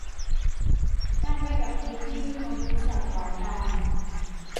การไปกับทีมที่มีความคิดสอดคล้องกัน